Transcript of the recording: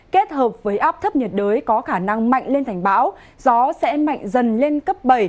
kết hợp với áp thấp nhiệt đới có khả năng mạnh lên thành bão gió sẽ mạnh dần lên cấp bảy